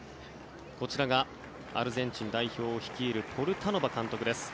こちらがアルゼンチン代表を率いるポルタノバ監督です。